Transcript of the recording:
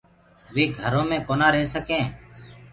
وي گھرو مي ڪونآ رهي سڪينٚ